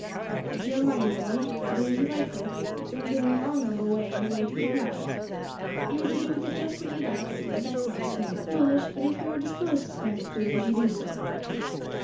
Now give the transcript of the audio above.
"It's your money, boy, to do as you like with; it's earned in a honourable way, and a way to be proud of. You are to do with it just what you likes; it were best not to spend it foolish, but if you are disposed to spend it foolish, you do so."